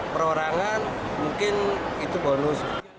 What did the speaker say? perorangan mungkin itu bonus